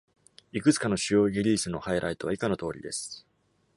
いくつかの主要リリースのハイライトは以下の通りです。